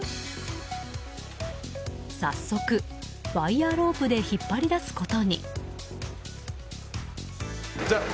早速、ワイヤロープで引っ張り出すことに。